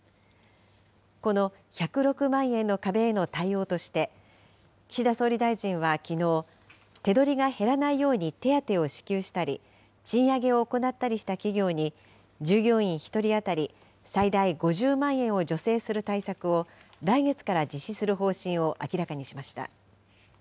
この１０６万円の壁への対応として、岸田総理大臣はきのう、手取りが減らないように手当を支給したり、賃上げを行ったりした企業に従業員１人当たり最大５０万円を助成する対策を、来月から実施する方針を明らかにしました。